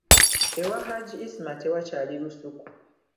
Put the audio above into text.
Ewa Hajji Ismah tewakyali lusuku.